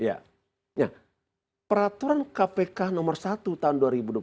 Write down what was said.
ya peraturan kpk nomor satu tahun dua ribu dua puluh satu